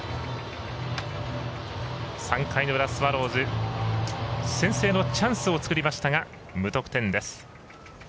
３回の裏、スワローズ先制のチャンスを作りましたが無得点です。